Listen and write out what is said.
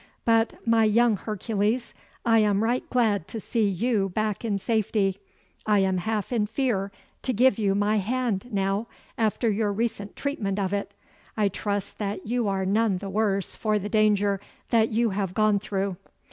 But, my young Hercules, I am right glad to see you back in safety. I am half in fear to give you my hand now, after your recent treatment of it. I trust that you are none the worse for the danger that you have gone through.